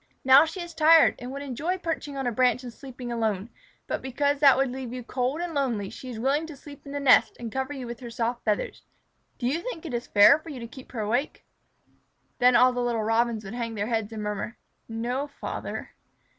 Now she is tired, and would enjoy perching on a branch and sleeping alone, but because that would leave you cold and lonely she is willing to sleep in the nest and cover you with her soft feathers. Do you think it is fair for you to keep her awake?" Then all the little Robins would hang their heads and murmur, "No, Father."